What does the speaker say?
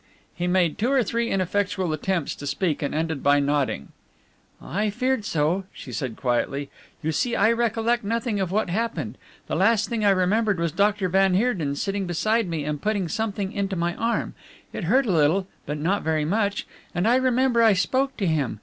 He made two or three ineffectual attempts to speak and ended by nodding. "I feared so," she said quietly, "you see I recollect nothing of what happened. The last thing I remembered was Doctor van Heerden sitting beside me and putting something into my arm. It hurt a little, but not very much, and I remember I spoke to him.